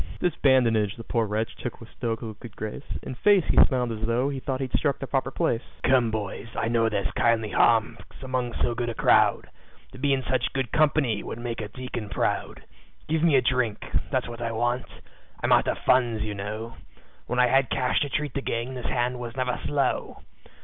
This badinage the poor wretch took with stoical good grace; In face, he smiled as tho' he thought he'd struck the proper place. "Come, boys, I know there's kindly hearts among so good a crowd To be in such good company would make a deacon proud. "Give me a drink that's what I want I'm out of funds, you know, When I had cash to treat the gang this hand was never slow.